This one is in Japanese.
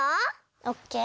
オッケー。